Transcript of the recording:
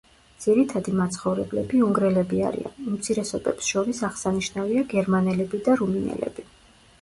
ძირითადი მაცხოვრებლები უნგრელები არიან, უმცირესობებს შორის აღსანიშნავია გერმანელები და რუმინელები.